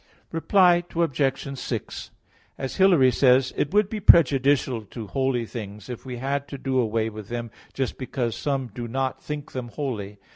Reply Obj. 6: As Hilary says (De Synod.): "It would be prejudicial to holy things, if we had to do away with them, just because some do not think them holy.